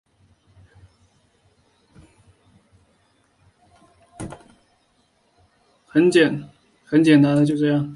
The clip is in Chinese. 东蛇山子乡是中国辽宁省沈阳市新民市下辖的一个乡。